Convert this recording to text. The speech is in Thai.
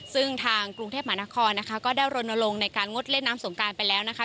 ซึ่งทางกรุงเทพมหานครนะคะก็ได้รณรงค์ในการงดเล่นน้ำสงการไปแล้วนะคะ